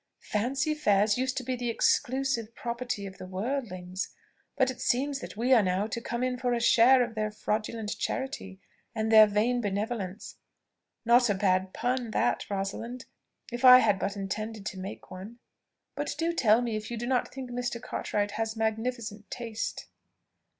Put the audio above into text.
"Fancy fairs used to be the exclusive property of the worldlings; but it seems that we are now to come in for a share of their fraudulent charity, and their vain benevolence: not a bad pun that, Rosalind, if I had but intended to make one? But do tell me if you do not think Mr. Cartwright has a magnificent taste?"